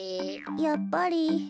やっぱり。